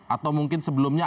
atau mungkin sebelumnya